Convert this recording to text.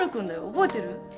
覚えてる？